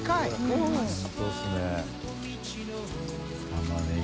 「タマネギ」